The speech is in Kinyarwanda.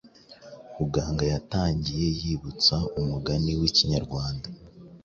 muganga yatangiye yibutsa umugani w’ikinyarwanda